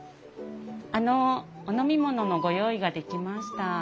あのお飲み物のご用意ができました。